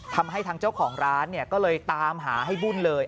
ทำให้ทางเจ้าของร้านเนี่ยก็เลยตามหาให้บุญเลย